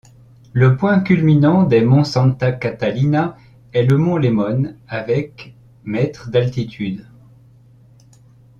Le point culminant des monts Santa Catalina est le mont Lemmon avec mètres d'altitude.